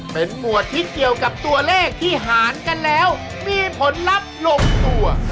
เป็นหมวดที่เกี่ยวกับตัวเลขที่หารกันแล้วมีผลลัพธ์ลงตัว